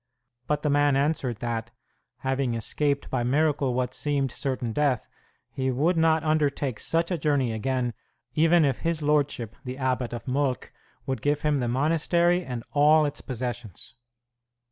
But the man answered that, having escaped by miracle what seemed certain death, he would not undertake such a journey again even if his lordship, the abbot of Molk, would give him the monastery and all its possessions.